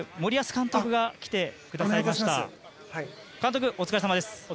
監督、お疲れさまです。